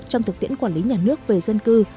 trong thực tiễn quản lý nhà nước về dân cư